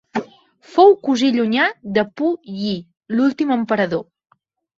Fou cosí llunyà de Pu Yi, l'últim emperador.